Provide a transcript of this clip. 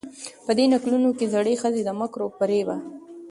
په دې نکلونو کې زړې ښځې د مکرو و فرېبه